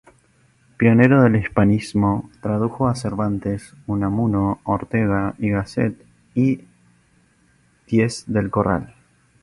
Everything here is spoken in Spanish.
Pionero del hispanismo, tradujo a Cervantes, Unamuno, Ortega y Gasset y Diez del Corral.